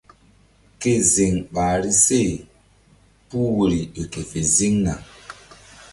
Ke ziŋ ɓahri se puh woyri ƴo ke fe ziŋna.